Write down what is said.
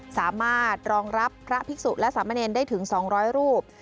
สามารถรองรับพระภิกษุและสามเณรได้ถึง๒๐๐รูป